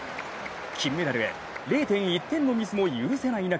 金メダルへ０．１点のミスも許せない中